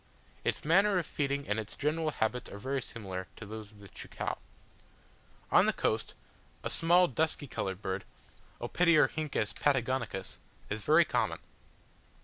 Its manner of feeding and its general habits are very similar to those of the cheucau. On the coast, a small dusky coloured bird (Opetiorhynchus Patagonicus) is very common.